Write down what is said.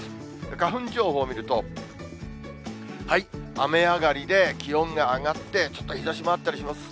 花粉情報見ると、雨上がりで気温が上がって、ちょっと日ざしもあったりします。